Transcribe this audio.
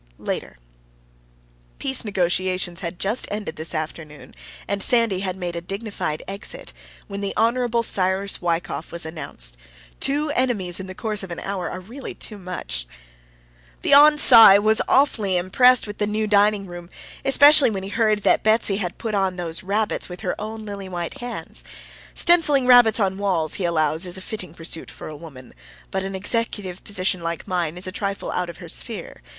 LATER. Peace negotiations had just ended this afternoon, and Sandy had made a dignified exit, when the Hon. Cyrus Wykoff was announced. Two enemies in the course of an hour are really too much! The Hon. Cy was awfully impressed with the new dining room, especially when he heard that Betsy had put on those rabbits with her own lily white hands. Stenciling rabbits on walls, he allows, is a fitting pursuit for a woman, but an executive position like mine is a trifle out of her sphere.